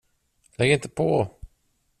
Lägg inte på!